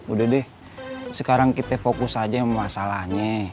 udah deh sekarang kita fokus aja masalahnya